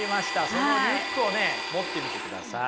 そのリュックをね持ってみてください。